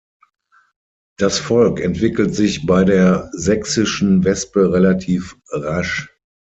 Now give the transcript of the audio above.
Das Volk entwickelt sich bei der Sächsischen Wespe relativ rasch.